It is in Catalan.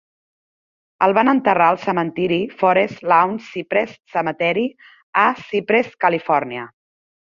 El van enterrar al cementiri Forest Lawn Cypress Cemetery, a Cypress, Califòrnia.